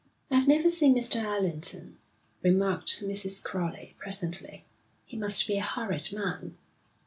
'I've never seen Mr. Allerton,' remarked Mrs. Crowley, presently. 'He must be a horrid man.'